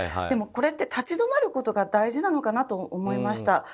でも、これって立ち止まることが大事なのかなと思いました。